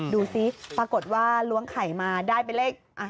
ดูสิปรากฏว่าล้วงไข่มาได้เป็นเลข